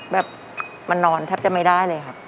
แบบมันนอนแทบจะไม่ได้เลยครับ